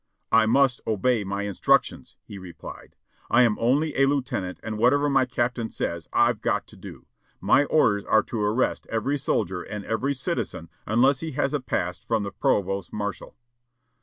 "I must obey my instructions," he replied ; "I am only a lieu tenant and whatever my captain says I've got to do. My orders are to arrest every soldier and every citizen unless he has a pass from the provost marshal."